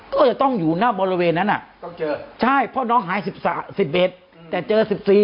ก็จะต้องอยู่หน้าบริเวณนั้นใช่เพราะน้องหาย๑๑แต่เจอ๑๔